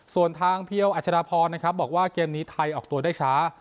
ส่วนทางเพียวอัชดาพรนะครับบอกว่าเกมนี้ไทยออกตัวได้ช้า